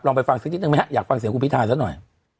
ลองไปฟังซักนิดนึงไหมฮะอยากฟังเสียงครูพิธาสักหน่อย